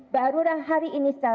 baru hari ini secara resmi